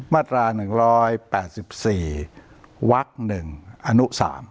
มาตรา๑๘๔วัก๑อนุ๓